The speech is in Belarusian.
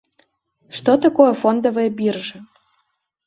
Што такое фондавыя біржы?